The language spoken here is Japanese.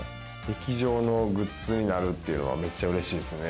劇場のグッズになるっていうのはめっちゃうれしいですね。